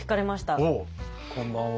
こんばんは。